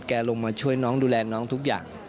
ลงมาช่วยน้องดูแลน้องทุกอย่าง